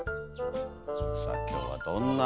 さあ今日はどんな。